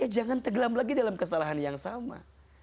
jangan tenggelam lagi dalam kesalahan yang sama